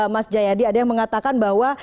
mas jayadi ada yang mengatakan bahwa